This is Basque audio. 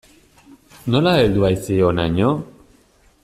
Nola heldu haiz hi honaino?